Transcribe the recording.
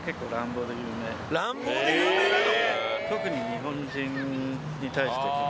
乱暴で有名なの？